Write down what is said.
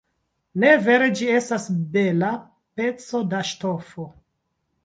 Ne vere, ĝi estas bela peco da ŝtofo?